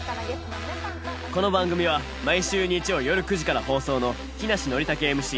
この番組は毎週日曜よる９時から放送の木梨憲武ＭＣ